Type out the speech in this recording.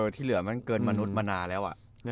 ที่เหลือมันเกินมนุษย์มานานแล้ว